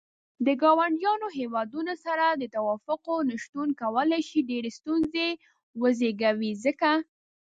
د ګاونډيو هيوادونو سره د تووافقاتو نه شتون کولاي شي ډيرې ستونزې وزيږوي ځکه.